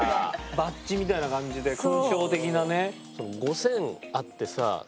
バッジみたいな感じですごいね。